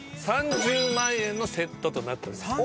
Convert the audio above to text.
３０万円のセットとなっております。